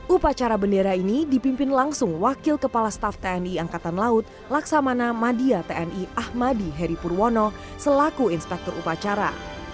upacara bendera ini dipimpin langsung wakil kepala staff tni angkatan laut laksamana madia tni ahmadi heri purwono selaku inspektur upacara